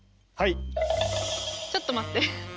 ちょっと待って。